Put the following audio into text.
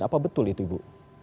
apa betul itu ibu